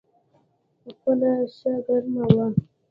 خونه ښه ګرمه وه.